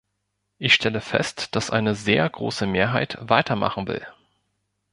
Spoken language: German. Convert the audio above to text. Ich stelle fest, dass eine sehr große Mehrheit weitermachen will.